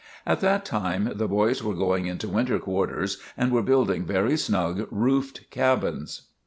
At that time the boys were going into winter quarters and were building very snug, roofed cabins.